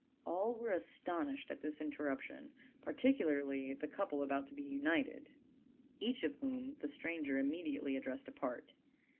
All wsre astonished at this interruption, particularly the couple about to be united, each of whom the stranger immediately ad dressed apart.